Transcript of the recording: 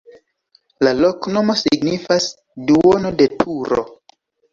La loknomo signifas: duono de turo.